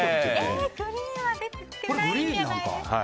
グリーンは出てないんじゃないですか。